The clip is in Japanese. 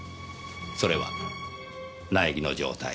それは苗木の状態。